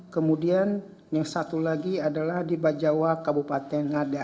kemudian yang satu lagi adalah di bajawa kabupaten ngada